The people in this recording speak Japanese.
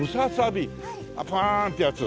パーンってやつ。